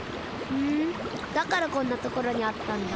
ふんだからこんなところにあったんだ。